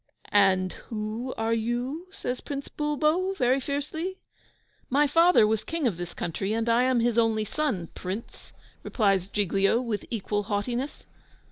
"And who are you?" says Prince Bulbo, very fiercely. "My father was King of this country, and I am his only son, Prince!" replies Giglio, with equal haughtiness.